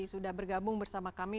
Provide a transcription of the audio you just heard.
sudah bergabung bersama kami